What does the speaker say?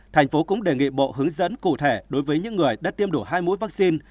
thành phố cũng đề nghị bộ hướng dẫn cụ thể đối với những người đã tiêm đủ hai mũi vaccine